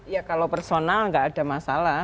ya kalau personal nggak ada masalah